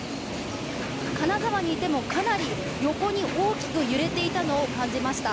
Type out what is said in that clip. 金沢にいてもかなり大きく横に揺れていたのを感じました。